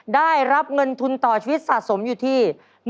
ได้รับเงินทุนต่อชีวิตสะสมอยู่ที่